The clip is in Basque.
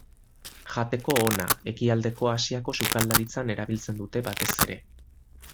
Jateko ona, ekialdeko Asiako sukaldaritzan erabiltzen dute batez ere.